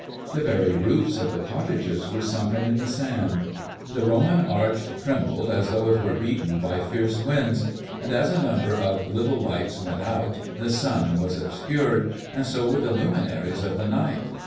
The very roofs of the cottages were sunken in the sand. The Roman arch trembled as though it were beaten by fierce winds; and as a number of little lights went out, the sun was obscured, and so were the luminaries of the night.